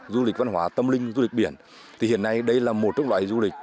du lịch văn hóa tâm linh du lịch biển thì hiện nay đây là một trong loại du lịch